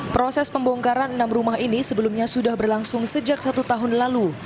proses pembongkaran enam rumah ini sebelumnya sudah berlangsung sejak satu tahun lalu